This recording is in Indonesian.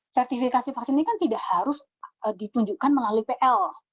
sertifikasi vaksin ini kan tidak harus ditunjukkan melalui pl